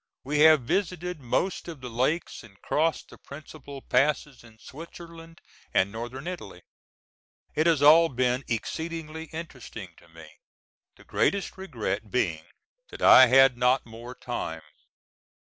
We have visited most of the lakes and crossed the principal passes in Switzerland and Northern Italy. It has all been exceedingly interesting to me, the greatest regret being that I had not more time.